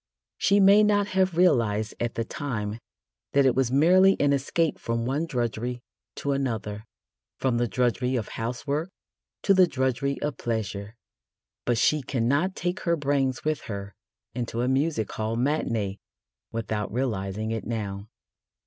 She may not have realised at the time that it was merely an escape from one drudgery to another from the drudgery of housework to the drudgery of pleasure but she cannot take her brains with her into a music hall matinée without realising it now.